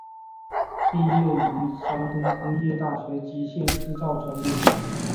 毕业于山东工业大学机械制造专业。